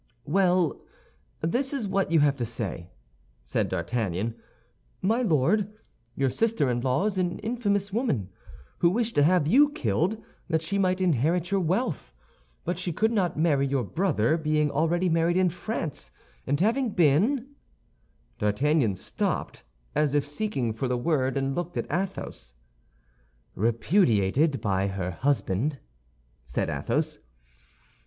"Well, this is what you have to say," said D'Artagnan: "_My Lord, your sister in law is an infamous woman, who wished to have you killed that she might inherit your wealth; but she could not marry your brother, being already married in France, and having been_—" D'Artagnan stopped, as if seeking for the word, and looked at Athos. "Repudiated by her husband," said Athos.